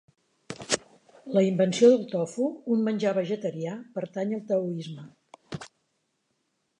La invenció del tofu, un menjar vegetarià, pertany al taoisme.